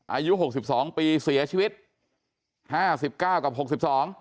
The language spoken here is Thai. อายุ๖๒ปีเสียชีวิต๕๙กับ๖๒